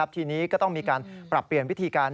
ทีนี้ก็ต้องมีการปรับเปลี่ยนวิธีการ